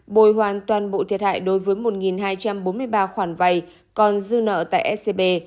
bồi hoàn toàn bộ thiệt hại đối với một hai trăm bốn mươi ba khoản vay còn dư nợ tại scb